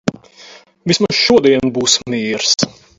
Vismaz šodien būs miers.